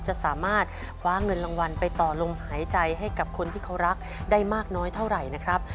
จะสามารถคว้าเงินรางวัลไปต่อลมหายใจให้กับคนที่เขารักได้มากน้อยเท่าไหร่นะครับ